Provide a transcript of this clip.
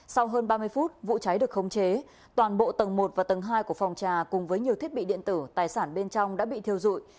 sau hơn ba mươi phút vụ cháy được khống chế toàn bộ tầng một và tầng hai của phòng trà cùng với nhiều thiết bị điện tử tài sản bên trong đã bị thiêu dụi